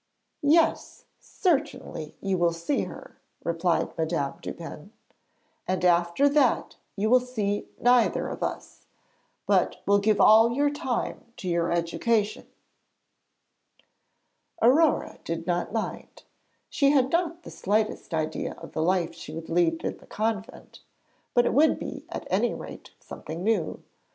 'Yes; certainly you will see her,' replied Madame Dupin; 'and after that you will see neither of us, but will give all your time to your education.' Aurore did not mind. She had not the slightest idea of the life she would lead in the convent, but it would at any rate be something new.